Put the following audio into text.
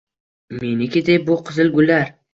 Meniki, deb bu qizil gullar…